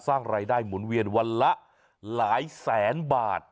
สร้างรายได้หมุนเวียนวันละหลายแสนบาท